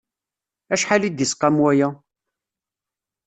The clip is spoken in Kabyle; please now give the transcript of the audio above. Acḥal i d-isqam waya?